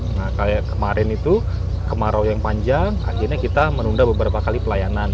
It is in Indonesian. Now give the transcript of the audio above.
nah kayak kemarin itu kemarau yang panjang akhirnya kita menunda beberapa kali pelayanan